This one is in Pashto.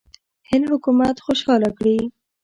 هند حکومت خوشاله کړي.